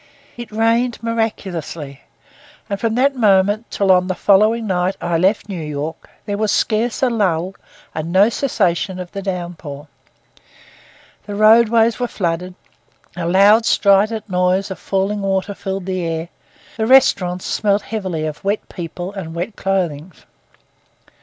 It rained miraculously; and from that moment till on the following night I left New York, there was scarce a lull, and no cessation of the downpour. The roadways were flooded; a loud strident noise of falling water filled the air; the restaurants smelt heavily of wet people and wet clothing.